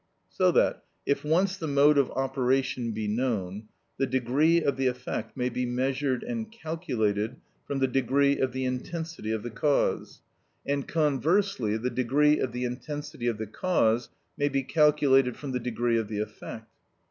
So that, if once the mode of operation be known, the degree of the effect may be measured and calculated from the degree of the intensity of the cause; and conversely the degree of the intensity of the cause may be calculated from the degree of the effect.